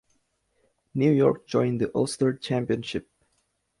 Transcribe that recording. New York joined the Ulster Championship.